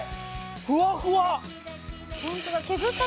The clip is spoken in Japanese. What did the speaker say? ふわふわ！